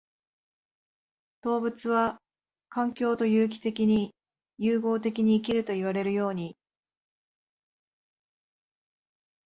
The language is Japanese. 動物は環境と有機的に融合的に生きるといわれるように、